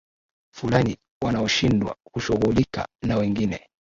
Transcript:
fulani wanaoshindwa kushughulika na wengine